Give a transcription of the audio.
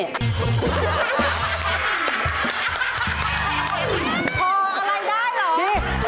พออะไรได้เหรอ